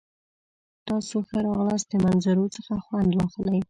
تاسو ښه راغلاست. د منظرو څخه خوند واخلئ!